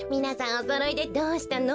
おそろいでどうしたの？